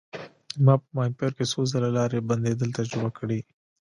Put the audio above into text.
ما په ماهیپر کې څو ځله لارې بندیدل تجربه کړي.